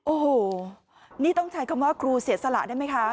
โอ้โหนี่ต้องใช้คำว่าครูเสียสละได้ไหมคะ